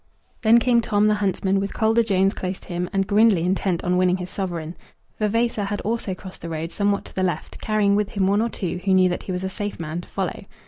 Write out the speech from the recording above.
Then came Tom the huntsman, with Calder Jones close to him, and Grindley intent on winning his sovereign. Vavasor had also crossed the road somewhat to the left, carrying with him one or two who knew that he was a safe man to follow.